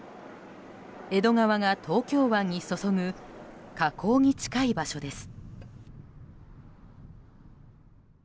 江戸川が東京湾に注ぐ河口に近い場所です。